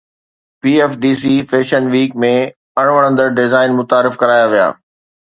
PFDC fashion week ۾ اڻ وڻندڙ design متعارف ڪرايا ويا